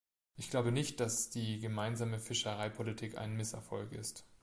Ich glaube nicht, dass die Gemeinsame Fischereipolitik ein Misserfolg ist.